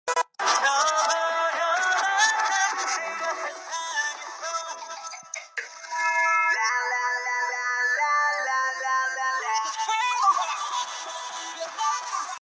სწავლობდა ედირნეს ბერძნულ საშუალო სკოლაში.